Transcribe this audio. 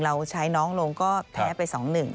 เราใช้น้องลงก็แพ้ไป๒๑